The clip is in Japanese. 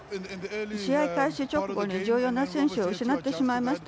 試合開始直後に重要な選手を失ってしまいました。